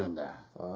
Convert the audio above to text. ああ？